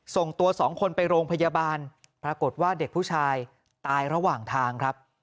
ส่งตัวสองคนไปโรงพยาบาลปรากฏว่าเด็กผู้ชายตายระหว่างทางครับ